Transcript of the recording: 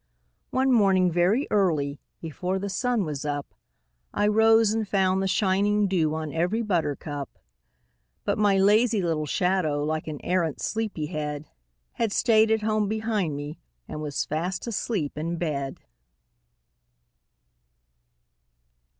MY SHADOW [Pg 21] One morning, very early, before the sun was up, I rose and found the shining dew on every buttercup; But my lazy little shadow, like an arrant sleepy head, Had stayed at home behind me and was fast asleep in bed.